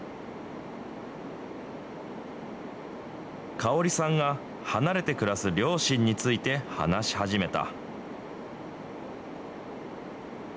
カオリさんが、離れて暮らす両親について話し始めた。